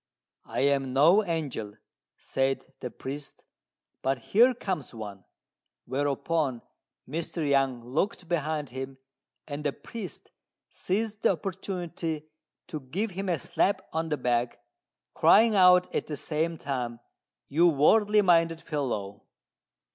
"I am no angel," said the priest, "but here comes one;" whereupon Mr. Yang looked behind him, and the priest seized the opportunity to give him a slap on the back, crying out at the same time, "You worldly minded fellow!"